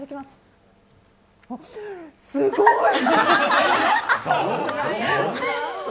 すごい！